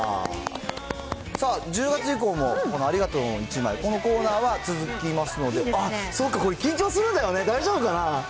さあ、１０月以降も、このありがとうの１枚、このコーナーは続きますので、あっ、そっか、これ、緊張するんだよね、大丈夫かな。